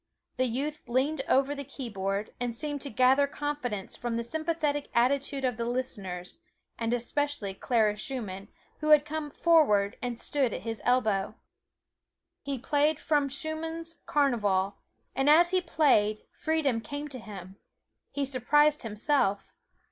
The youth leaned over the keyboard, and seemed to gather confidence from the sympathetic attitude of the listeners, and especially Clara Schumann, who had come forward and stood at his elbow. He played from Schumann's "Carnival," and as he played, freedom came to him. He surprised himself.